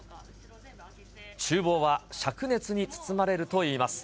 ちゅう房はしゃく熱に包まれるといいます。